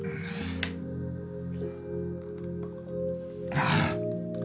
ああ。